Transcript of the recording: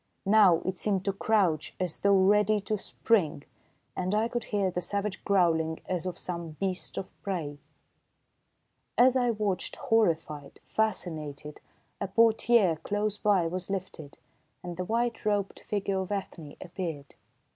Now it seemed to crouch as though ready to spring, and I could hear the savage growling as of some beast of prey. As I watched, horrified, fascinated, a portière close by was lifted, and the white robed figure of Ethne appeared.